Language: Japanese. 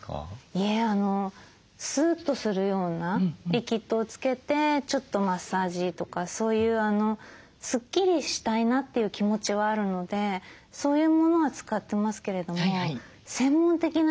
いえスーッとするようなリキッドをつけてちょっとマッサージとかそういうスッキリしたいなっていう気持ちはあるのでそういうものは使ってますけれども専門的な知識がいかんせんないですから。